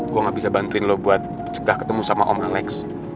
gue gak bisa bantuin lo buat cegah ketemu sama om alex